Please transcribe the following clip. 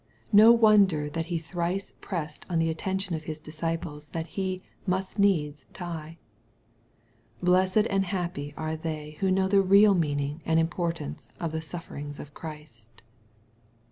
No wonder that He thrice pressed on the atten tion of His disciples that He ''must needs'* die. Blessed and happy are they who know the real meaning and importance of the sufferings of Christ